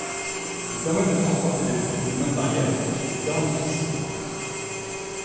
Il permet de transporter des troupes ou du matériel sur du terrain difficile.